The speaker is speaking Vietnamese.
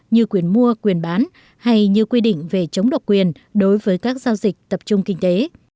như quyền mua quyền bán hay như quy định về chống độc quyền đối với các giao dịch tập trung kinh tế